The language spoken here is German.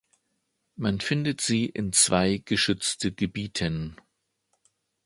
Man findet sie in zwei geschützte Gebieten.